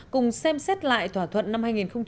cùng xem xét lại thỏa thuận năm hai nghìn một mươi năm